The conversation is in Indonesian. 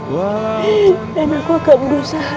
dan aku akan berusaha